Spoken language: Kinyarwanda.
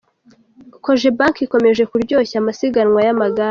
kogebanke ikomeje kuryoshya amasiganwa y’amagare